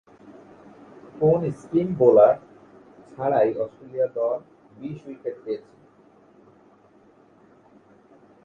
কোন spin bowler ছাড়াই Australia দল বিশ উইকেট পেয়েছিল।